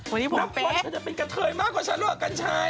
วันนี้ผมเป๊ะนับควดฉันจะเป็นกะเทยมากกว่าฉันรู้อ่ะกันชัย